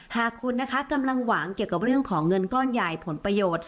หากคุณนะคะกำลังหวังเกี่ยวกับเรื่องของเงินก้อนใหญ่ผลประโยชน์